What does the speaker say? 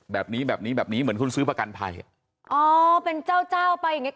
แบบนี้แบบนี้แบบนี้แบบนี้เหมือนคุณซื้อประกันภัยอ๋อเป็นเจ้าเจ้าไปอย่างเงี